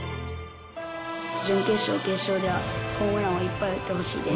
準決勝、決勝ではホームランをいっぱい打ってほしいです。